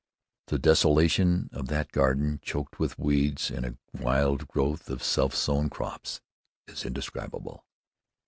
The desolation of that garden, choked with weeds and a wild growth of self sown crops, is indescribable.